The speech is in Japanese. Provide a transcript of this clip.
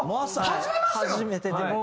初めてでもう。